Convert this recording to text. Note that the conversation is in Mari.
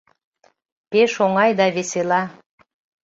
Пеш оҥай да весела!